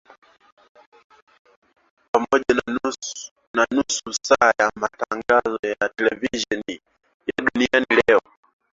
pamoja na nusu saa ya matangazo ya televisheni ya Duniani Leo